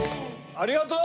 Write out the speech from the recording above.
ありがとう！